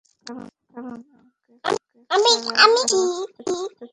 কারন, আমি তোমাকে ছাড়া এক মূহূর্তো বাঁচতে চাই না।